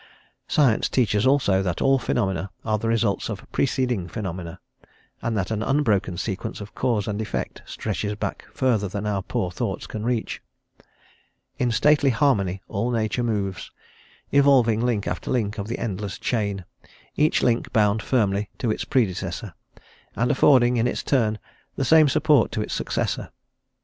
Science teaches, also, that all phenomena are the results of preceding phenomena, and that an unbroken sequence of cause and effect stretches back further than our poor thoughts can reach. In stately harmony all Nature moves, evolving link after link of the endless chain, each link bound firmly to its predecessor, and affording, in its turn, the same support to its successor.